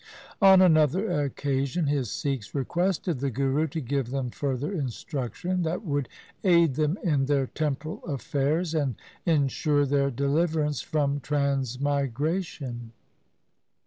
' On another occasion his Sikhs requested the Guru to give them further instruction that would aid them in their temporal affairs and ensure their deliverance from transmigration.